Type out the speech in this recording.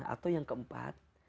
atau yang keempat